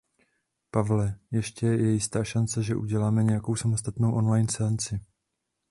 Pavle, ještě je jistá šance, že uděláme nějakou samostatnou online seanci.